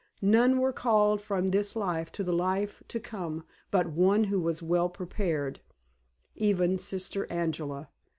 None were called from this life to the life to come but one who was well prepared even Sister Angela.